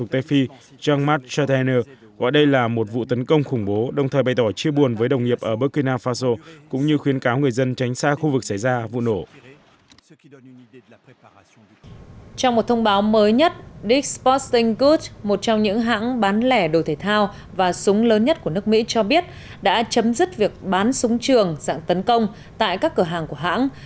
trong một thông báo mới nhất dick s sporting goods một trong những hãng bán lẻ đồ thể thao và súng lớn nhất của nước mỹ cho biết đã chấm dứt việc bán súng trường dạng tấn công tại các cửa hàng của hãng